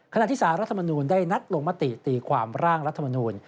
ขณะที่สารรัฐมนูลได้นัดลงมติตีความร่างรัฐมนูล